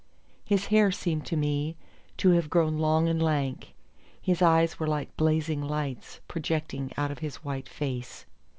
His hair seemed to me to have grown long and lank; his eyes were like blazing lights projecting out of his white face.